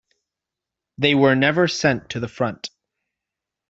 They were never sent to the front.